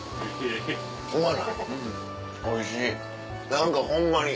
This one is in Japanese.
何かホンマに。